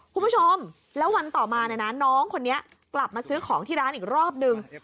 คุณผู้ชมแล้ววันต่อมาเนี่ยนะน้องคนนี้กลับมาซื้อของที่ร้านอีกรอบนึง